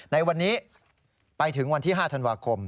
ในวันนี้ไปถึงวันที่๕ธันวาคม